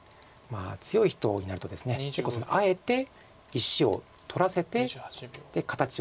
強い人になるとですね結構あえて石を取らせて形を作る。